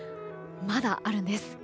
まだあるんです。